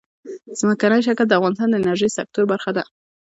ځمکنی شکل د افغانستان د انرژۍ سکتور برخه ده.